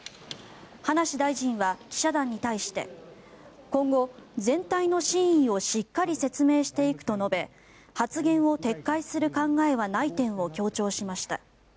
葉梨大臣は記者団に対して今後、全体の真意をしっかり説明していくと述べ発言を撤回する考えはない点を強調しました。